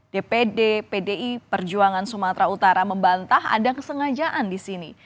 dpd pdi perjuangan sumatera utara membantah ada kesengajaan di sini